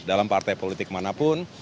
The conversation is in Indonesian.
dalam partai politik manapun